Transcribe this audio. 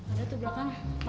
ada tuh belakangnya